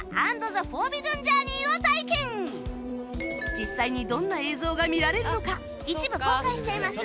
実際にどんな映像が見られるのか一部公開しちゃいます